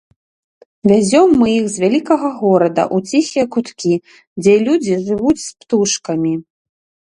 Вязём мы іх з вялікага горада ў ціхія куткі, дзе людзі жывуць з птушкамі.